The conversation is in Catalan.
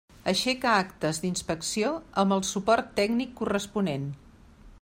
Aixeca actes d'inspecció amb el suport tècnic corresponent.